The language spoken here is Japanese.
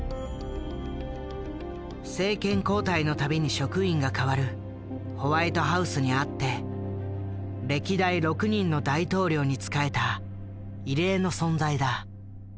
政権交代の度に職員が替わるホワイトハウスにあって歴代６人の大統領に仕えた異例の存在だ。